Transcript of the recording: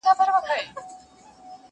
د سر په غم کي ټوله دنیا ده!!